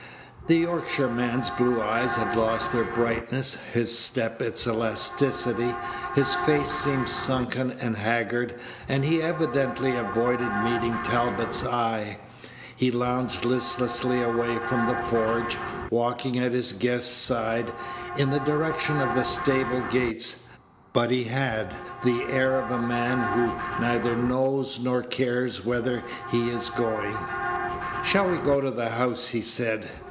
The Yorkshireman's blue eyes had lost their brightness, his step its elasticity; his face seemed sunken and haggard, and he evidently avoided meeting Talbot's eye. He lounged listlessly away from the forge, walking at his guest's side, in the direction of the stable gates; but he had the air of a man who neither knows nor cares whither he is going. "Shall we go to the house?" he said.